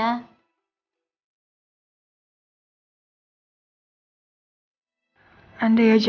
mending sekarang lo tenangin diri